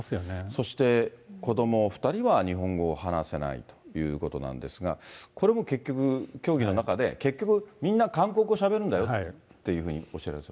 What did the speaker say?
そして、子ども２人は日本語を話せないということなんですが、これも結局教義の中で結局、みんな韓国語しゃべるんだよというふうに教えられる。